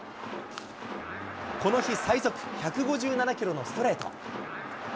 この日、最速１５７キロのストレート。